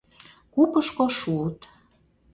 Купышко шуыт.